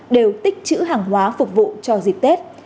đều tích chữ hàng hóa phục vụ cho dịp tết